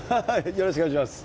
よろしくお願いします。